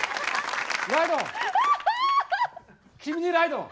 君にライドオン！